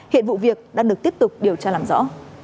hiện vụ việc đang được tiếp tục điều tra làm rõ